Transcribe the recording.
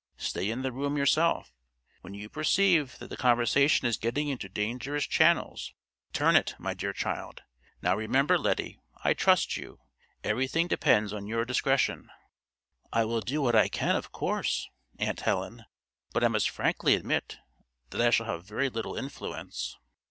Stay in the room yourself. When you perceive that the conversation is getting into dangerous channels, turn it, my dear child. Now, remember, Lettie, I trust you. Everything depends on your discretion." "I will do what I can, of course, Aunt Helen; but I must frankly admit that I shall have very little influence."